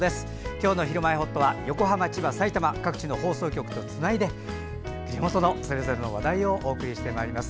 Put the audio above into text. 今日の「ひるまえほっと」は横浜、千葉、さいたま各地の放送局とつないで地元のそれぞれの話題をお送りしてまいります。